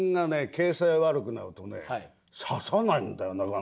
形勢悪くなるとね指さないんだよなかなか。